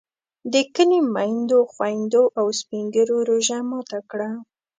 د کلي میندو، خویندو او سپین ږیرو روژه ماته کړه.